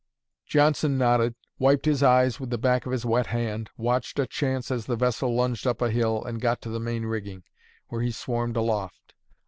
Johnson nodded, wiped his eyes with the back of his wet hand, watched a chance as the vessel lunged up hill, and got to the main rigging, where he swarmed aloft.